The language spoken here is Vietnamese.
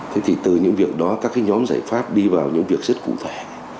thế thì từ những việc đó các cái nhóm giải pháp đi vào những việc rất cụ thể